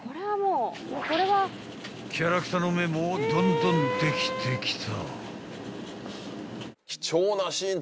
［キャラクターの目もどんどんできてきた］